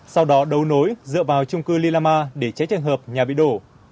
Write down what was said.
sau đó đấu nối dựa vào trung cư lì lama để cháy trang hợp nhà bị đổ